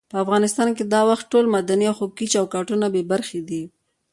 په افغانستان کې دا وخت ټول مدني او حقوقي چوکاټونه بې برخې دي.